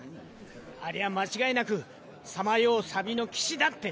ありゃあ間違いなくさまようの騎士だって。